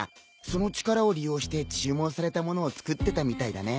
その力を利用して注文されたものを作ってたみたいだね。